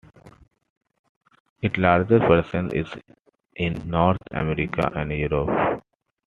Its largest presence is in North America and Europe.